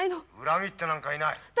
☎裏切ってなんかいない。